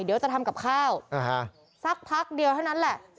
เดี๋ยวจะทำกับข้าวสักพักเดียวเท่านั้นแหละ